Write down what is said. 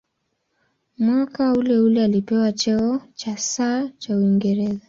Mwaka uleule alipewa cheo cha "Sir" cha Uingereza.